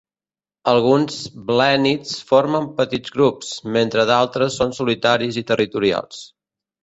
Alguns blènnids formen petits grups, mentre d'altres són solitaris i territorials.